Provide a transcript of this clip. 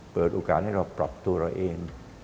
เปิดโอกาสให้เราปรับตัวเราเอง